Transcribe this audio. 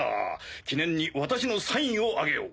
記念に私のサインをあげよう。